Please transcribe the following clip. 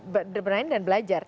bermain dan belajar